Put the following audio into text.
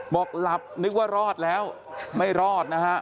บอกหลับนึกว่ารอดแล้วไม่รอดนะฮะ